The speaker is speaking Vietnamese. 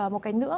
một cái nữa